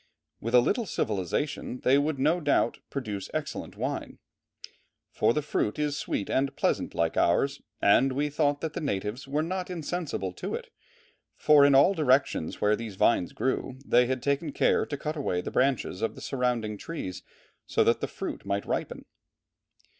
With a little cultivation they would no doubt produce excellent wine "for the fruit is sweet and pleasant like ours, and we thought that the natives were not insensible to it, for in all directions where these vines grew, they had taken care to cut away the branches of the surrounding trees so that the fruit might ripen."